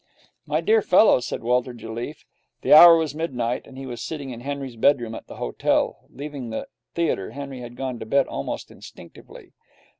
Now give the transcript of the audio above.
'My dear fellow,' said Walter Jelliffe. The hour was midnight, and he was sitting in Henry's bedroom at the hotel. Leaving the theatre, Henry had gone to bed almost instinctively.